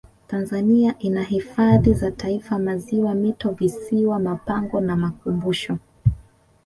tanzania ina hifadhi za taifa maziwa mito visiwa mapango na makumbusho